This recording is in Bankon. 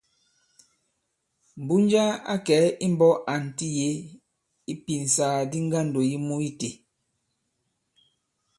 Mbunja a kɛ̀ imbɔ̄k ànti yě ipìnsàgàdi ŋgandò yi mû itē.